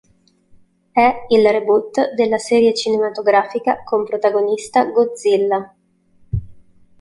È il reboot della serie cinematografica con protagonista Godzilla.